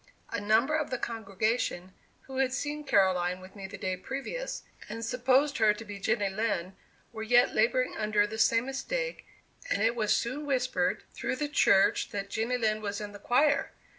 A number of the congregation, who had seen Caroline with me the day previous, and supposed her to be Jenny Lind, were yet laboring under the same mistake, and it was soon whispered through the church that Jenny Lind was in the choir!